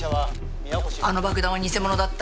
あの爆弾は偽物だった。